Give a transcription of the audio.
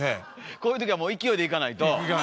こういう時はもう勢いでいかないと。